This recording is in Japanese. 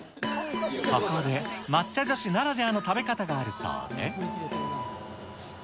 ここで、抹茶女子ならではの食べ方があるそうで。